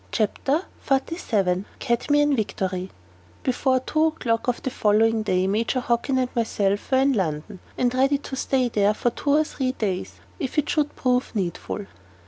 CHAPTER XLVII CADMEIAN VICTORY Before two o'clock of the following day Major Hockin and myself were in London, and ready to stay there for two or three days, if it should prove needful.